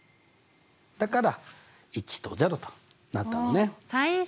だから１と０となったのね。